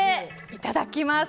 いただきます。